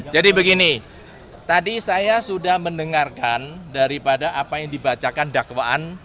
jadi begini tadi saya sudah mendengarkan daripada apa yang dibacakan dakwaan